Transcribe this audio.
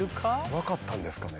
分かったんですかね？